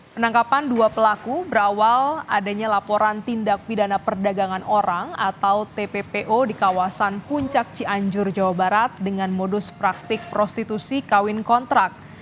penangkapan dua pelaku berawal adanya laporan tindak pidana perdagangan orang atau tppo di kawasan puncak cianjur jawa barat dengan modus praktik prostitusi kawin kontrak